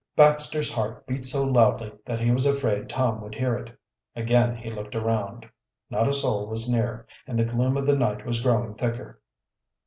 Baxter's heart beat so loudly that he was afraid Tom would hear it. Again he looked around. Not a soul was near, and the gloom of the night was growing thicker.